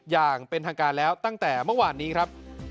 อย่างเป็นทางการแล้วตั้งแต่เมื่อวานนี้ครับ